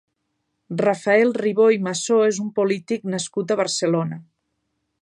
Rafael Ribó i Massó és un polític nascut a Barcelona.